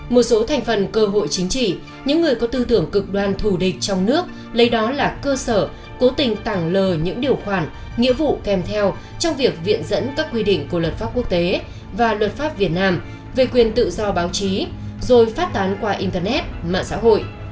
một số thành phần cơ hội chính trị những người có tư tưởng cực đoan thù địch trong nước lấy đó là cơ sở cố tình tảng lờ những điều khoản nghĩa vụ kèm theo trong việc viện dẫn các quy định của luật pháp quốc tế và luật pháp việt nam về quyền tự do báo chí rồi phát tán qua internet mạng xã hội